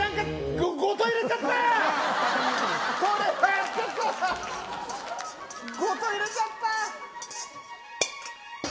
ごと入れちゃった！